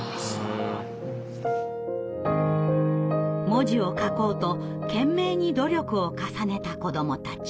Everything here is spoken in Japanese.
文字を書こうと懸命に努力を重ねた子どもたち。